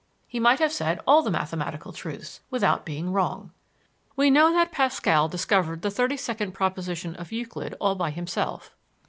He might have said 'all the mathematical truths,' without being wrong." We know that Pascal discovered the thirty second proposition of Euclid all by himself.